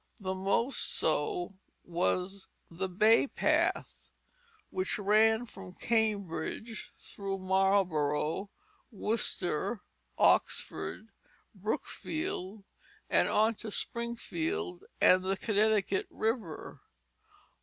The most so was the Bay Path, which ran from Cambridge through Marlborough, Worcester, Oxford, Brookfield, and on to Springfield and the Connecticut River.